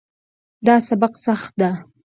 دا سبق سخت ده